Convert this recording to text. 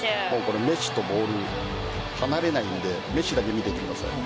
メッシとボール離れないのでメッシだけ見ててください。